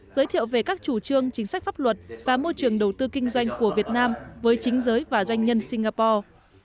giới thiệu về các chủ trương chính sách pháp luật và môi trường đầu tư kinh doanh của việt nam với chính giới và doanh nhân singapore